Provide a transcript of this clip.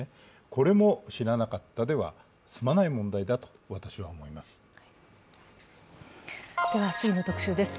これも知らなかったでは済まない問題だと私は思います。